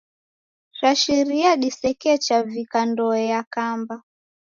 Shashiria disekecha vika ndoe yakamba.